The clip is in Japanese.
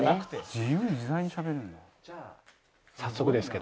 「自由自在にしゃべれるんだ」